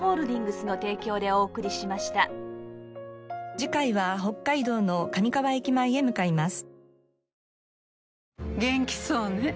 次回は北海道の上川駅前へ向かいます。